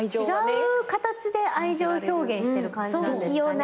違う形で愛情表現してる感じなんですかね。